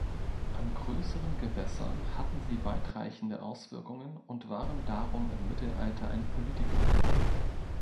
An größeren Gewässern hatten sie weitreichende Auswirkungen und waren darum im Mittelalter ein Politikum.